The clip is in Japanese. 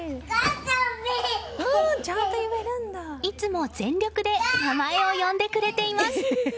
いつも全力で名前を呼んでくれています。